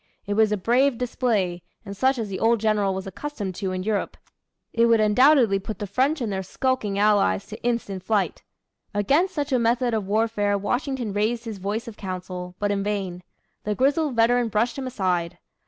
It was a brave display, and such as the old General was accustomed to, in Europe. It would undoubtedly put the French and their skulking allies to instant flight! Against such a method of warfare Washington raised his voice of counsel, but in vain. The grizzled veteran brushed him aside.